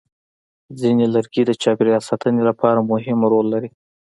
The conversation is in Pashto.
ځینې لرګي د چاپېریال ساتنې لپاره مهم رول لري.